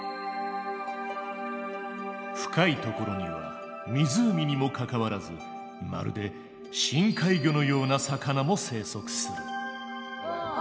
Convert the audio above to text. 深いところには湖にもかかわらずまるで深海魚のような魚も生息する。